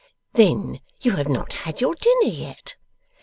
'Then you have not had your dinner yet?